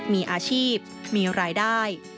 มีอาชีพมีรายได้